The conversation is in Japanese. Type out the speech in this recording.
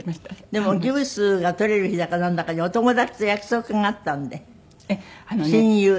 でもギプスが取れる日だかなんだかにお友達と約束があったので親友と。